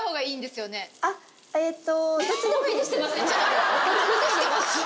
えっと。